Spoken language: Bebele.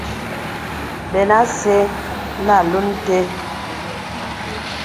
Bənə acə nə olùn té.